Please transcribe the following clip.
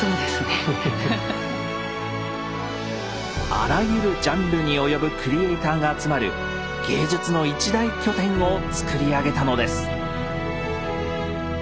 あらゆるジャンルに及ぶクリエーターが集まる芸術の一大拠点をつくり上げたのです。